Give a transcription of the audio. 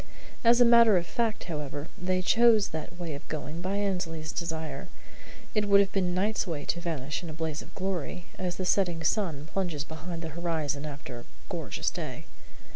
As a matter of fact, however, they chose that way of going by Annesley's desire. It would have been Knight's way to vanish in a blaze of glory, as the setting sun plunges behind the horizon after a gorgeous day.